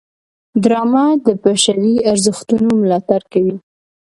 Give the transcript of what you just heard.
ډرامه د بشري ارزښتونو ملاتړ کوي